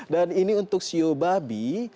dan ini untuk siu babi